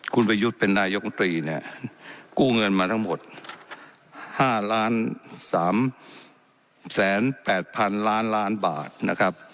คุณประยุทธ์เป็นนายองตรีเนี่ยกู้เงินมาทั้งหมดห้าล้านสามแสนแปดพันล้านล้านบาทนะครับ